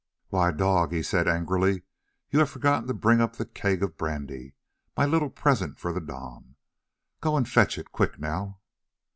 "Why, Dog," he said angrily, "you have forgotten to bring up the keg of brandy, my little present for the Dom. Go and fetch it. Quick, now."